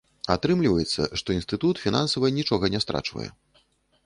Атрымліваецца, што інстытут фінансава нічога не страчвае.